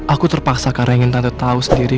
aku terpaksa karena ingin tante tahu sendiri